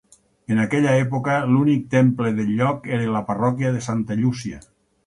En aquella època l'únic temple del lloc era la parròquia de Santa Llúcia.